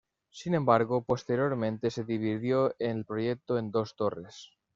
Sin embargo, posteriormente se dividió el proyecto en dos torres.